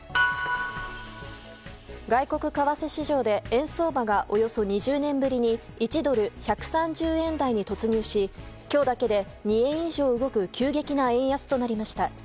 外国為替市場で円相場がおよそ２０年ぶりに１ドル＝１３０円台に突入し今日だけで２円以上動く急激な円安となりました。